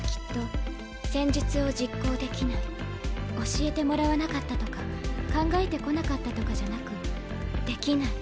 教えてもらわなかったとか考えてこなかったとかじゃなく「できない」。